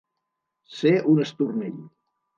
Ser un estornell.